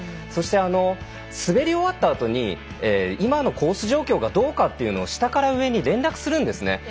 そして、滑り終わったあとに今のコース状況がどうかというのを下から上に連絡するんですね。